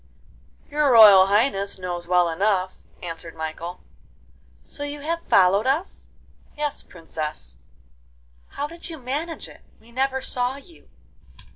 'Your Royal Highness knows well enough,' answered Michael. 'So you have followed us?' 'Yes, Princess.' 'How did you manage it? we never saw you.